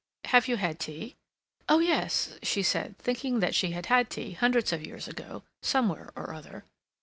"Have you had tea?" "Oh yes," she said, thinking that she had had tea hundreds of years ago, somewhere or other.